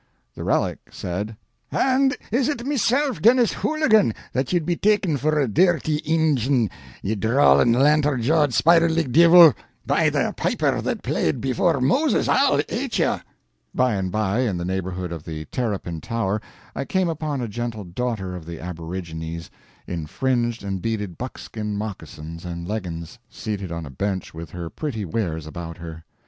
The relic said: "An' is it mesilf, Dennis Hooligan, that ye'd be takin' for a dirty Injin, ye drawlin', lantern jawed, spider legged divil! By the piper that played before Moses, I'll ate ye!" I went away from there. By and by, in the neighborhood of the Terrapin Tower, I came upon a gentle daughter of the aborigines in fringed and beaded buckskin moccasins and leggins, seated on a bench with her pretty wares about her.